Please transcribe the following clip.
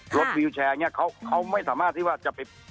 รถวิวแชร์เนี่ยเขาไม่สามารถที่ว่าจะไป